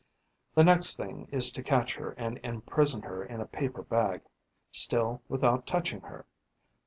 The next thing is to catch her and imprison her in a paper bag, still without touching her.